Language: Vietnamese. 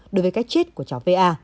đối với cách chết của cháu v a